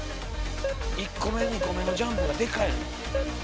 １個目２個目のジャンプがでかいのよ。